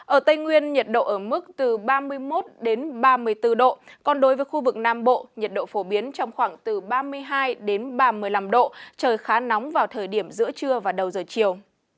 ở tây nguyên nhiệt độ ở mức từ ba mươi một ba mươi bốn độ còn đối với khu vực nam bộ nhiệt độ phổ biến trong khoảng từ ba mươi hai ba mươi năm độ trời khá nóng vào thời điểm giữa trưa và đầu giờ chiều